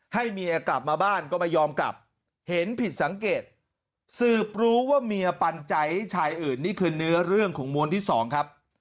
ให้เมียกลับมาบ้านก็ไม่ยอมกลับเห็นผิดสังเกตสืบรู้ว่าเมียปันใจให้ชายอื่นนี่คือเนื้อเรื่องของม้วนที่สองครับ